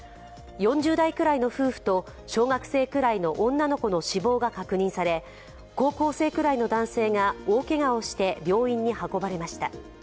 ４０代くらいの夫婦と小学生くらいの女の子の死亡が確認され、高校生くらいの男性が大けがをして病院に運ばれました。